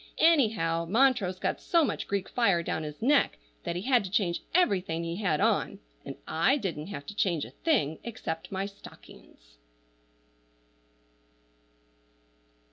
Anyhow, Montrose got so much Greek fire down his neck that he had to change everything he had on, and I didn't have to change a thing except my stockings.